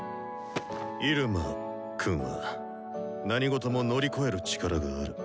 イルマくんは何事も乗り越える力がある。